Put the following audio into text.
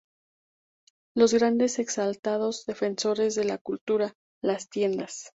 Los grandes exaltados defensores de la cultura, las tiendas